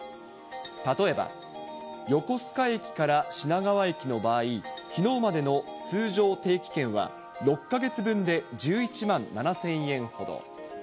例えば、横須賀駅から品川駅の場合、きのうまでの通常定期券は６か月分で１１万７０００円ほど。